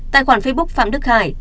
tài khoản facebook phạm đức hải